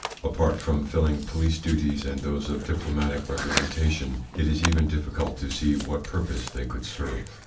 Apart from filling police duties and those of diplo matic representation, it is even difficult to see what purpose they could serve.